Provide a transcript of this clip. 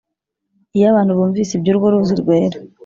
iyo abantu bumvise iby’urwo ruzi rwera